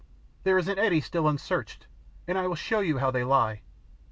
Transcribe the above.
there is an eddy still unsearched, and I will show you how they lie."